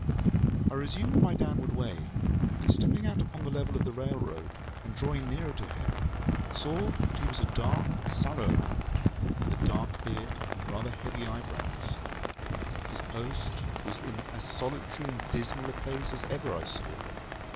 I resumed my downward way, and stepping out upon the level of the railroad, and drawing nearer to him, saw that he was a dark, sallow man, with a dark beard and rather heavy eyebrows. His post was in as solitary and dismal a place as ever I saw.